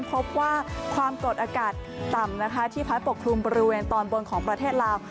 พบว่าความกดอากาศต่ำนะคะที่พัดปกคลุมบริเวณตอนบนของประเทศลาว